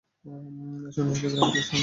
এর সন্নিহিত গ্রামটির নাম শালবনপুর।